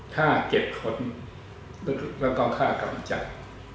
ค่าไกรด่วนและค่ากับจักร